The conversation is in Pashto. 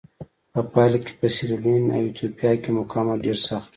په پایله کې په سیریلیون او ایتوپیا کې مقاومت ډېر سخت و.